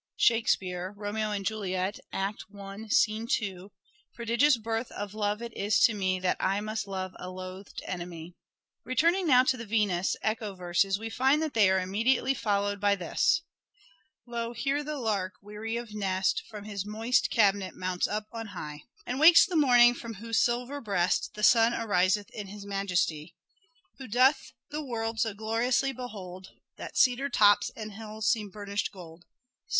Shakespeare (" Romeo and Juliet," I. 2) :" Prodigious birth of love it is to me That I must love a loathed enemy." 202 " SHAKESPEARE " IDENTIFIED The morning Returning now to the " Venus " echo verses we find that they are immediately followed by this :—" Lo ! here the lark, weary of nest, From his moist cabinet mounts up on high, And wakes the morning from whose silver breast The sun ariseth in his majesty ; Who doth the world so gloriously behold, That cedar tops and hills seem burnished gold " (s.